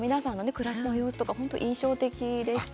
暮らしの様子とか本当、印象的でした。